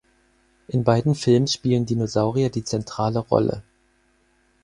In beiden Filmen spielen Dinosaurier die zentrale Rolle.